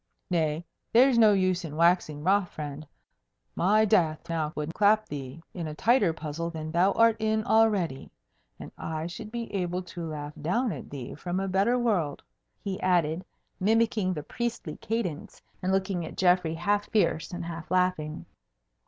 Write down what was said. "Nay, there's no use in waxing wroth, friend! My death now would clap thee in a tighter puzzle than thou art in already and I should be able to laugh down at thee from a better world," he added, mimicking the priestly cadence, and looking at Geoffrey half fierce and half laughing.